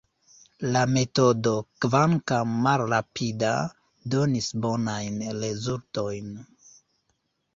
La metodo, kvankam malrapida, donis bonajn rezultojn.